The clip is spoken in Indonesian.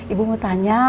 ibu mau tanya